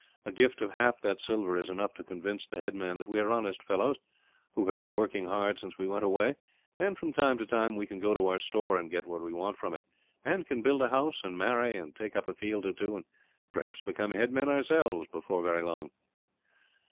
A gift of half that silver is enough to convince the headman that we are honest fellows, who have been working hard since we went away; and from time to time we can go to our store and get what we want from it, and can build a house and marry, and take up a field or two, and perhaps become headmen ourselves, before very long."